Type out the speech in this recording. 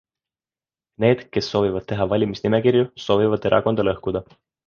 Need, kes soovivad teha valimisnimekirju, soovivad erakonda lõhkuda.